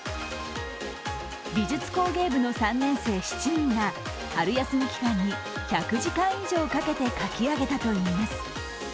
美術工芸部の３年生７人が春休み期間に１００時間以上をかけて描き上げたといいます。